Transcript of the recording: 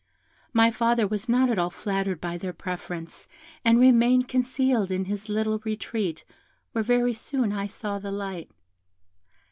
My father was not at all flattered by their preference, and remained concealed in his little retreat, where very soon I saw the light.